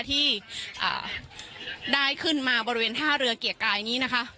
ที่ได้ขึ้นมาบริเวณท่าเรือเกียรติกายนี้นะคะ